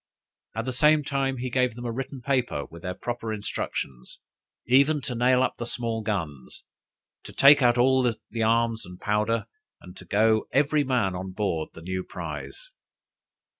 At the same time, he gave them a written paper with their proper instructions, even to nail up the small guns, to take out all the arms and powder, and to go every man on board the new prize.